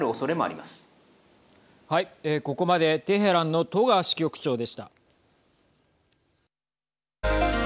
ここまでテヘランの戸川支局長でした。